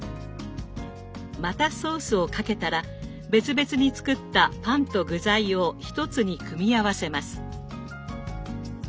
またソースをかけたら別々に作ったパンと具材を一つに組み合わせます。